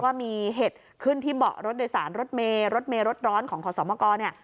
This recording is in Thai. ว่ามีเหตุขึ้นที่เบาะรถโดยสารรถเมย์รถเมย์รถร้อนของขอสมกรเนี่ย